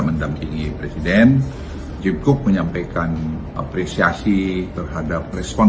mendampingi presiden cukup menyampaikan apresiasi terhadap respon